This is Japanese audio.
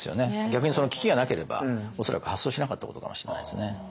逆にその危機がなければ恐らく発想しなかったことかもしれないですね。